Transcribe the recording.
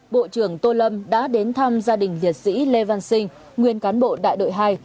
bộ trưởng tô lâm đã đến thăm gia đình liệt sĩ lê văn sinh nguyên cán bộ đại đội hai